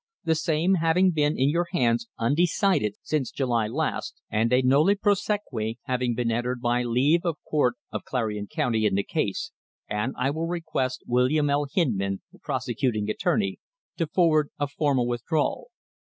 y the same having been in your hands undecided since July last and a nolle prosequi having been entered by leave of Court of Clarion County in the case, and I will request William L. Hindman, the prosecuting attorney, to forward a formal withdrawal.